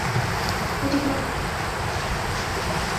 বলেছিলাম এই পরিস্থিতিতে আমার থাকা উচিত নয়।